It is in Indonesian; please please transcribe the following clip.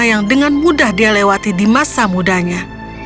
yang dengan mudah dia lewati di masa mudanya